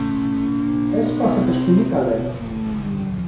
Έσπασε το σκοινί, καλέ!